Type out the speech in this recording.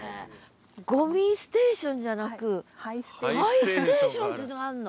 ごみステーションじゃなく灰ステーションっていうのがあんの？